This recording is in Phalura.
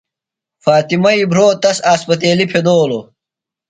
فاطمئی بھرو تس اسپتیلیۡ پھدولوۡ۔